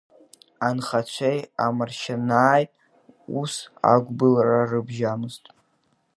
Анхацәеи Амаршьанааи ас агәбылра рыбжьамызт.